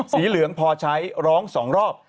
สีเหลืองพอใช้ร้อง๒รอบ